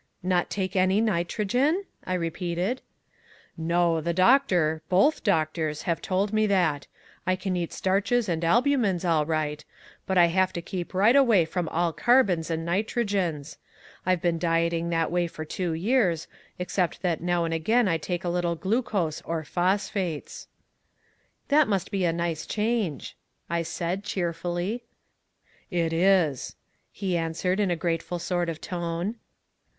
"Not take any nitrogen?" I repeated. "No, the doctor both doctors have told me that. I can eat starches, and albumens, all right, but I have to keep right away from all carbons and nitrogens. I've been dieting that way for two years, except that now and again I take a little glucose or phosphates." "That must be a nice change," I said, cheerfully. "It is," he answered in a grateful sort of tone.